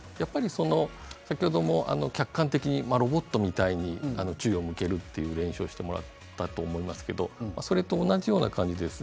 先ほど客観的にロボットみたいに注意を向ける練習をしてもらいましたがそれと同じような感じです。